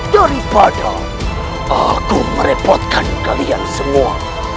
daripada aku merepotkan kalian semua